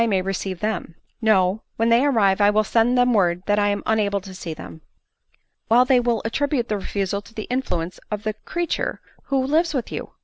151 may receive them. No ; when they arrive, I will send them word that 1 am unable to see them." " While they will attribute the refusal to the influence of the creature who lives with you